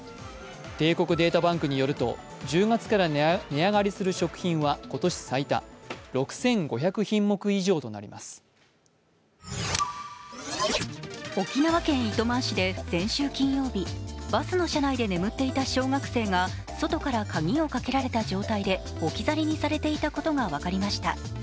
帝国データバンクによると、１０月から沖縄県糸満市で先週金曜日バスの車内で眠っていた小学生が外から鍵をかけられた状態で置き去りにされていたことが分かりました。